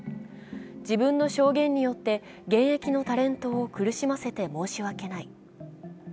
自分の証言によって現役のタレントを苦しませて申し訳ない。